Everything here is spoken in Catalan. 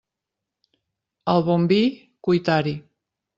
Al bon vi, cuitar-hi.